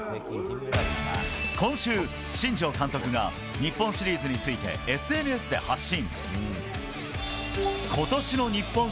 今週、新庄監督が日本シリーズについてＳＮＳで発信。